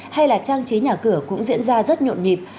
hay là trang trí nhà cửa cũng diễn ra rất nhộn nhịp